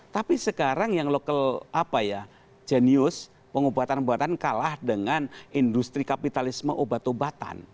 tapi sekarang yang lokal jenius pengobatan pengobatan kalah dengan industri kapitalisme obat obatan